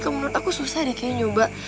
kalau menurut aku susah deh kayaknya nyoba